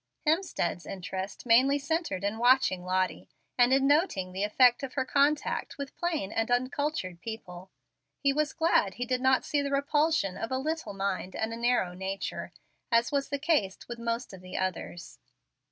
Hemstead's interest mainly centred in watching Lottie, and in noting the effect of her contact with plain and uncultured people. He was glad he did not see the repulsion of a little mind and a narrow nature, as was the case with most of the others.